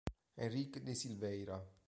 Henrique da Silveira